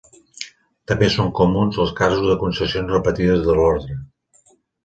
També són comuns els casos de concessions repetides de l'orde.